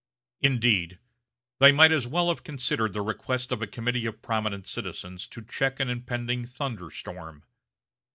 Indeed, they might as well have considered the request of a committee of prominent citizens to check an impending thunderstorm.